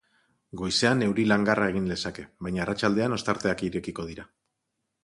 Goizean euri langarra egin lezake, baina arratsaldean ostarteak irekiko dira.